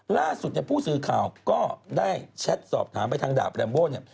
ล่าสุดเนี่ยผู้สื่อข่าวก็ได้แชทสอบถามไปทางดาบแรมโบเนี่ย